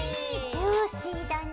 ジューシーだね。